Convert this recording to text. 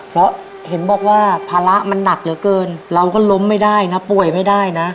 เพราะเห็นบอกว่าภาระมันหนักเหลือเกินเราก็ล้มไม่ได้นะป่วยไม่ได้นะ